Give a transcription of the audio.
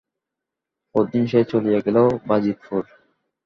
পরদিন সে চলিয়া গেল বাজিতপুর।